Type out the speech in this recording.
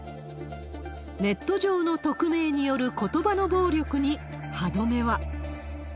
ネット上の匿名によることばの暴力に歯止めは。